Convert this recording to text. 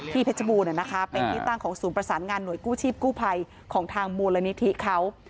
เพชรบูรณเป็นที่ตั้งของศูนย์ประสานงานหน่วยกู้ชีพกู้ภัยของทางมูลนิธิเขา